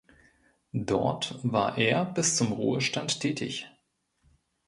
Dort war er bis zum Ruhestand tätig.